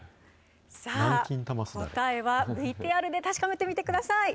さあ、答えはＶＴＲで確かめてみてください。